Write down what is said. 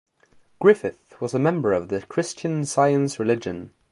Griffith was a member of the Christian Science religion.